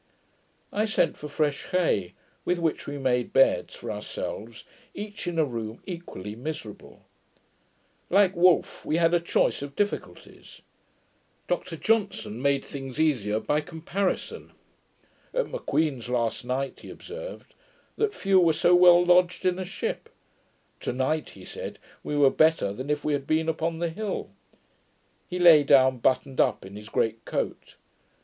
I sent for fresh hay, with which we made beds for ourselves, each in a room, equally miserable. Like Wolfe, we had a 'choice of difficulties'. Dr Johnson made things easier by comparison. At M'Queen's, last night, he observed, that few were so well lodged in a ship. To night he said, we were better than if we had been upon the hill. He lay down buttoned up in his great coat.